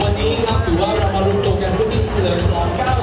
วันนี้ถือว่าเรามารุกโดครับที่เฉลจรอง๙๐๙ต่อไป